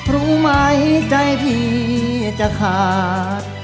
รู้ไหมใจพี่จะขาด